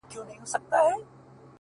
• چي غویی له حیوانانو را ګوښه سو ,